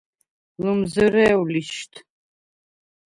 ლჷმზჷრე̄უ̂ ლიშდ!